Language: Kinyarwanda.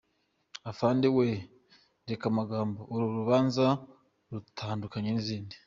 Afande :« We!! reka amagambo, uru rubanza rutandukanye n’izindi.